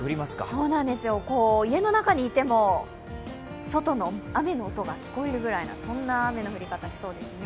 家の中にいても外の雨の音が聞こえるくらいのそんな雨の降り方しそうです。